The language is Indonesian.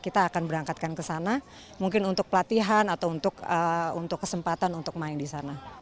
kita akan berangkatkan ke sana mungkin untuk pelatihan atau untuk kesempatan untuk main di sana